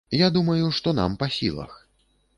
Я думаю, што нам па сілах.